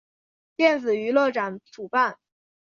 电子娱乐展主办。